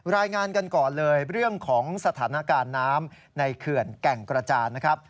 รายงานกันก่อนเลยเรื่องของสถานการณ์น้ำในเขื่อนแก่งกระจานนะครับ